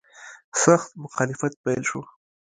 سخت مخالفت پیل شو.